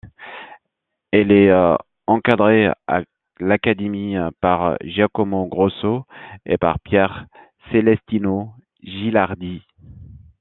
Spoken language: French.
Il est encadré à l'Académie par Giacomo Grosso et par Pier Celestino Gilardi.